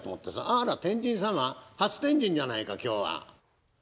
あら、天神様、初天神じゃないか、きょうは。